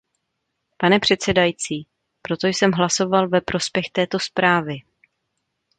Pane předsedající, proto jsem hlasoval ve prospěch této zprávy.